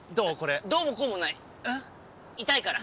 痛いから！